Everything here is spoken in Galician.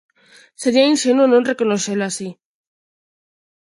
Sería inxenuo non recoñecelo así.